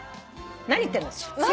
何言ってんだ私。